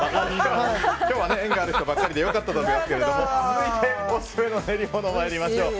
今日は縁がある人ばかりで良かったと思いますが続いて、オススメの練り物参りましょう。